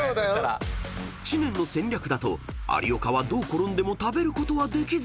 ［知念の戦略だと有岡はどう転んでも食べることはできず。